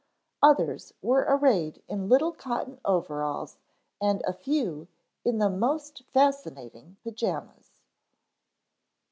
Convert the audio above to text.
Others were arrayed in little cotton overalls and a few in the most fascinating pajamas.